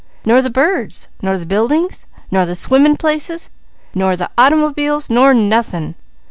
Nor the birds! Nor the buildings! Nor the swimming places! Nor the automobiles! Nor nothing!